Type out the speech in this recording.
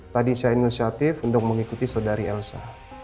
tadi saya inisiatif untuk mengikuti saudari elsa